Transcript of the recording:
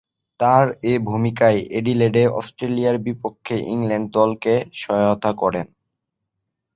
তার এ ভূমিকায় অ্যাডিলেডে অস্ট্রেলিয়ার বিপক্ষে ইংল্যান্ড দলকে সহায়তা করেন।